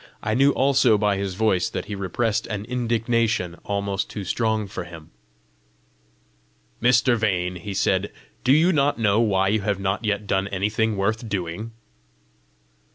I knew also by his voice that he repressed an indignation almost too strong for him. "Mr. Vane," he said, "do you not know why you have not yet done anything worth doing?"